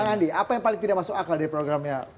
bang andi apa yang paling tidak masuk akal dari programnya